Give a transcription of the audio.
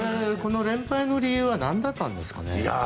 連敗の理由は何だったんですか？